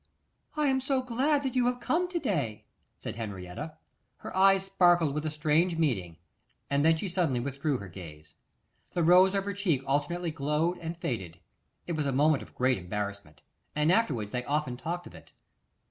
'I am so glad that you have come to day,' said Henrietta. Her eyes sparkled with a strange meaning, and then she suddenly withdrew her gaze. The rose of her cheek alternately glowed and faded. It was a moment of great embarrassment, and afterwards they often talked of it.